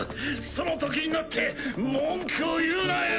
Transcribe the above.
そのときになって文句を言うなよ！